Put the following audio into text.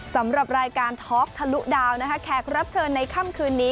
สำหรับรายการท็อกทะลุดาวนะคะแขกรับเชิญในค่ำคืนนี้